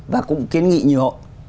và cũng kiến nghị nhiều